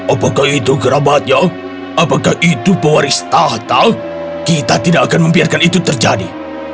apakah itu kerabatnya apakah itu pewaris tahtal kita tidak akan membiarkan itu terjadi